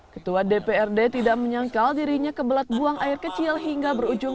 ketua dprd tidak menyangkal dirinya kebelet buang air kecil hingga berujung